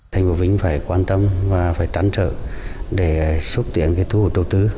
thành phố vinh phải quan tâm và phải tránh trợ để xúc tiện cái thu hút đầu tư